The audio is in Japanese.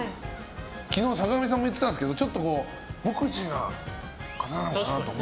昨日、坂上さんも言ってたんですけどちょっと無口な方なのかなとか。